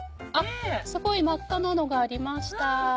すごい真っ赤なのがありました。